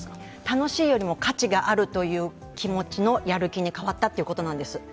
楽しいよりも価値があるという気持ちのやる気に変わったということなんです。